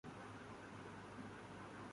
اس سے زیادہ کچھ کرنے کو رہا نہیں۔